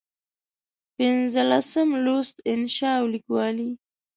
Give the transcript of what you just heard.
پنځلسم لوست: انشأ او لیکوالي